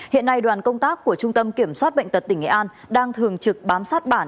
hiện nay đoàn công tác của trung tâm kiểm soát bệnh tật tỉnh nghệ an đang thường trực bám sát bản